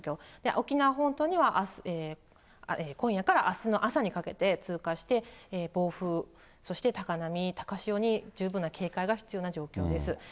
沖縄本島には今夜からあすの朝にかけて通過して、暴風、そして高波、高潮に十分な警戒が必要な状況です。